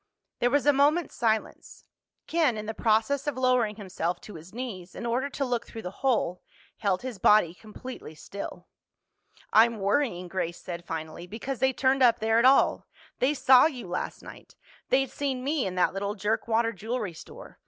There was a moment's silence. Ken, in the process of lowering himself to his knees in order to look through the hole, held his body completely still. "I'm worrying," Grace said finally, "because they turned up there at all. They saw you last night. They'd seen me in that little jerkwater jewelry store.